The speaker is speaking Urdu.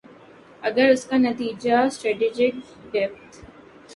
اگر اس کا نتیجہ سٹریٹجک ڈیپتھ